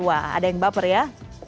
wah ada yang baper ya